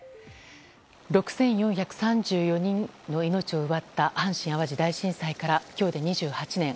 ６４３４人の命を奪った阪神・淡路大震災から今日で２８年。